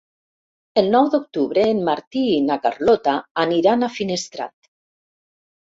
El nou d'octubre en Martí i na Carlota aniran a Finestrat.